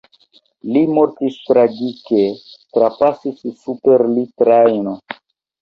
Li mortis tragike: trapasis super li trajno.